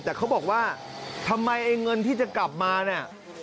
แต่เขาบอกว่าทำไมไอ้เงินที่จะกลับมาเนี่ย